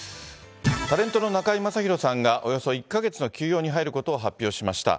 タレントの中居正広さんが、およそ１か月の休養に入ることを発表しました。